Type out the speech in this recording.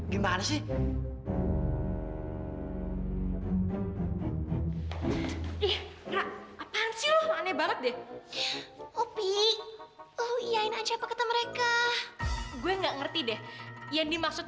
gimana sih ih apaan sih lu aneh banget deh opi iain aja paket mereka gue nggak ngerti deh yang dimaksud